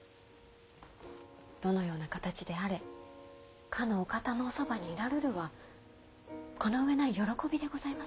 どのような形であれかのお方のおそばにいらるるはこの上ない喜びでございます。